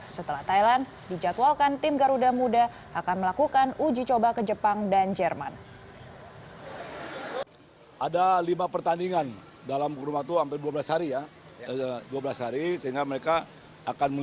setelah thailand dijadwalkan tim garuda muda akan melakukan uji coba ke jepang dan jerman